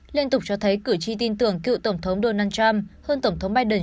liên tục cho thấy cử tri tin tưởng cựu tổng thống donald trump hơn tổng thống biden